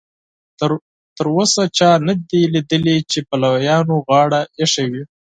تر اوسه چا نه دي لیدلي چې پلویانو غاړه ایښې وي.